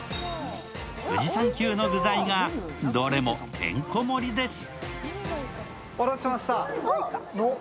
富士山級の具材が、どれもてんこ盛りです。